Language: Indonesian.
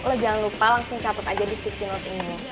lo jangan lupa langsung caput aja di sticky note ini